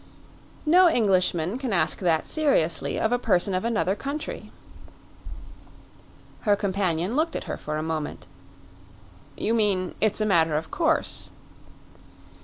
"No Englishman can ask that seriously of a person of another country." Her companion looked at her for a moment. "You mean it's a matter of course?"